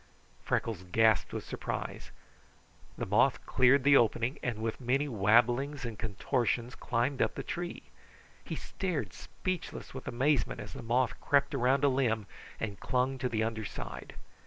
Freckles gasped with surprise. The moth cleared the opening, and with many wabblings and contortions climbed up the tree. He stared speechless with amazement as the moth crept around a limb and clung to the under side.